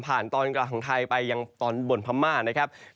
ผ่านตอนกลางของไทยไปยังตอนบนพรมม่า